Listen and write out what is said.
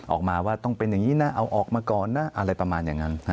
ออกมาว่าต้องเป็นอย่างนี้นะเอาออกมาก่อนนะอะไรประมาณอย่างนั้น